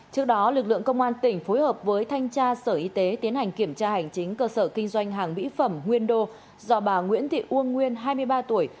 trước đó lực lượng công an tỉnh phối hợp với thanh tra sở y tế tiến hành kiểm tra hành chính cơ sở kinh doanh hàng mỹ phẩm nguyên đô do bà nguyễn thị uông nguyên hai mươi ba tuổi